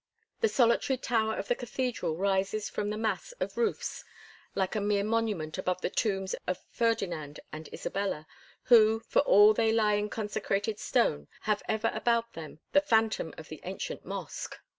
The solitary tower of the cathedral rises from the mass of roofs like a mere monument above the tombs of Ferdinand and Isabella, who, for all they lie in consecrated stone, have ever about them the phantom of the ancient mosque.